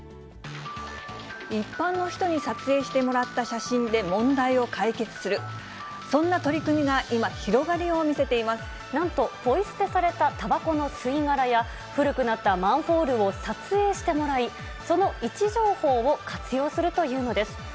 一般の人に撮影してもらった写真で、問題を解決する、そんな取り組みが今、広がりを見せていなんと、ポイ捨てされたたばこの吸い殻や、古くなったマンホールを撮影してもらい、その位置情報を活用するというのです。